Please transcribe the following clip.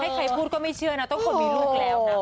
ใครพูดก็ไม่เชื่อนะต้องคนมีลูกแล้วนะ